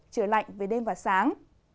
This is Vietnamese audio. trở lạnh về đêm và sáng